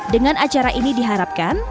dengan acara ini diharapkan